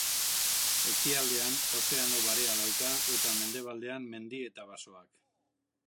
Ekialdean Ozeano Barea dauka eta mendebaldean mendi eta basoak.